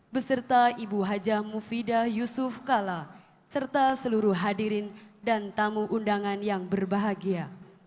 beserta ibu haja mufidah yusuf kala serta seluruh hadirin dan tamu undangan yang berbahagia